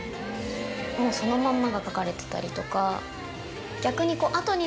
もうそのまんまが書かれてたりとか。